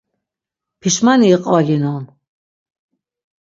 Pişmani iqvaginon.